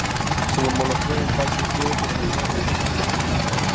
Su morfología dental sugiere que comía hojas y frutas.